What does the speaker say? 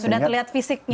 sudah terlihat fisiknya